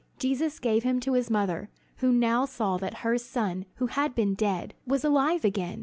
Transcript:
Jesus gave him to his mother, who now saw that her son who had been dead, was alive again.